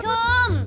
kayak panduan suara